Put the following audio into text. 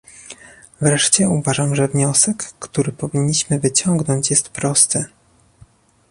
Wreszcie, uważam, że wniosek, który powinniśmy wyciągnąć jest prosty